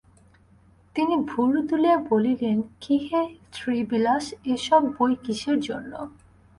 তিনি ভুরু তুলিয়া বলিলেন, কী হে শ্রীবিলাস, এ-সব বই কিসের জন্য?